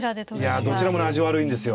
いやどちらもね味悪いんですよ